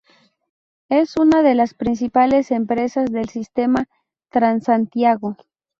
Es una de las principales empresas del sistema Transantiago.